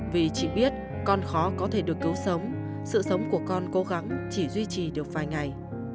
vì chị biết con khó có thể được cứu sống sự sống của con cố gắng chỉ duy trì được vài ngày